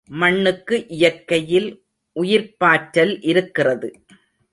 மண்ணுக்கு இயற்கையில் உயிர்ப்பாற்றல் இருக்கிறது.